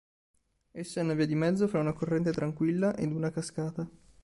Essa è una via di mezzo fra una corrente tranquilla ed una cascata.